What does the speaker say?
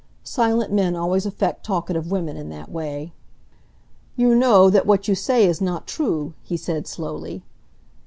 Silent men always affect talkative women in that way. "You know that what you say is not true," he said, slowly.